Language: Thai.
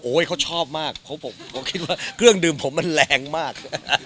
เขาชอบมากเพราะผมคิดว่าเครื่องดื่มผมมันแรงมาก